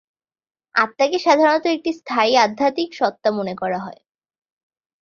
আত্মাকে সাধারণত একটি স্থায়ী আধ্যাত্মিক সত্তা মনে করা হয়।